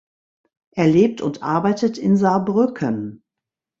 Er lebt und arbeitet in Saarbrücken.